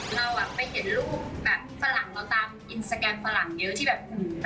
เราอ่ะไปเห็นรูปแบบฝรั่งเราตามอินสตาแกรมฝรั่งเยอะที่แบบ